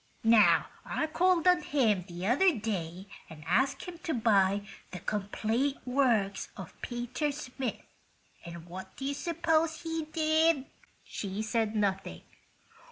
Now, I called on him the other day and asked him to buy the 'Complete Works of Peter Smith,' and what do you suppose he did?" She said nothing.